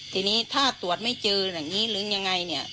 ทีนี้ถ้าตรวจไม่เจออย่างนี้หรือยังไงเนี่ย